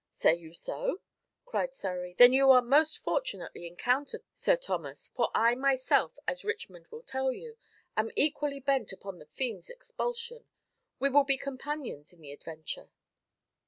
"Say you so?" cried Surrey; "then you are most fortunately encountered, Sir Thomas, for I myself, as Richmond will tell you, am equally bent upon the fiend's expulsion. We will be companions in the adventure."